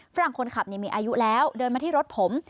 ฝรั่งคนขับมีอายุแล้วเดินมาที่รถผม